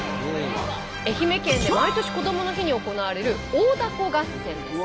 愛媛県で毎年こどもの日に行われる大凧合戦です。